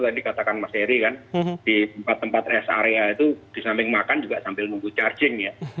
tadi katakan mas heri kan di tempat tempat rest area itu di samping makan juga sambil nunggu charging ya